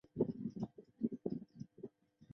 治所在今四川南江县南八庙场。